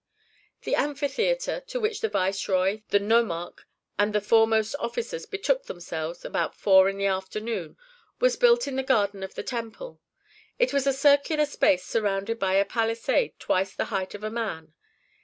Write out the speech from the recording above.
The amphitheatre, to which the viceroy, the nomarch, and the foremost officers betook themselves about four in the afternoon was built in the garden of the temple. It was a circular space surrounded by a palisade twice the height of a man.